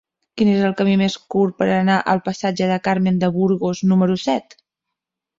Quin és el camí més curt per anar al passatge de Carmen de Burgos número set?